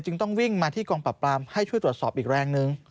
ต้องวิ่งมาที่กองปรับปรามให้ช่วยตรวจสอบอีกแรงนึง